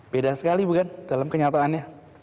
beda sekali bukan dalam kenyataannya